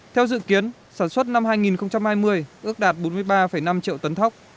theo dự kiến sản xuất năm hai nghìn hai mươi ước đạt bốn mươi ba năm triệu tấn thóc